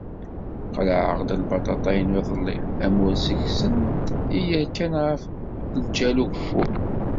Qelεeɣ-d lbaṭaṭa-inu iḍelli. Amur seg-sent i yerkan ɣef lǧal ugeffur.